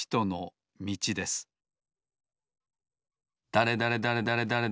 だれだれだれだれだれ